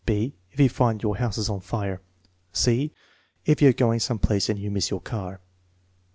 (6) "If you find that your house is on fire?" (c) "If you are going some place and miss your car?